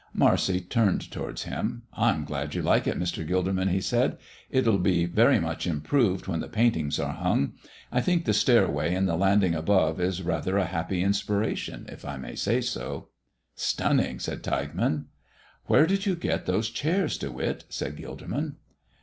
Marcy turned towards him. "I'm glad you like it, Mr. Gilderman," he said. "It'll be very much improved when the paintings are hung. I think the stairway and the landing above is rather a happy inspiration, if I may say so." "Stunning!" said Tilghman. "Where did you get those chairs, De Witt?" said Gilderman.